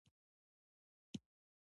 په ودانیو کې د سیمنټو کارول او پمپ یې و